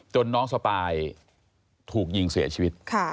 น้องสปายถูกยิงเสียชีวิต